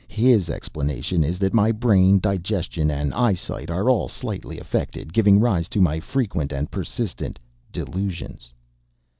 His explanation is, that my brain, digestion, and eyesight are all slightly affected; giving rise to my frequent and persistent "delusions."